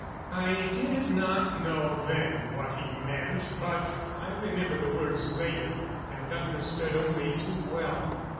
I did not know then what he meant; but I remembered the words later, and understood only too well.